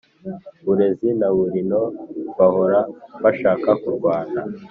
burezi na burino bahora bashaka kurwana